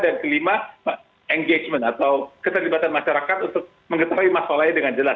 dan kelima engagement atau keterlibatan masyarakat untuk mengetahui masalahnya dengan jelas